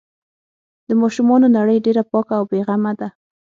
د ماشومانو نړۍ ډېره پاکه او بې غمه ده.